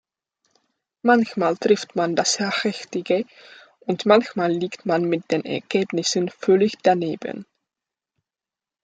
Manchmal trifft man das Richtige, und manchmal liegt man mit den Ergebnissen völlig daneben.